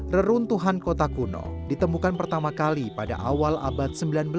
reruntuhan kota kuno ditemukan pertama kali pada awal abad sembilan belas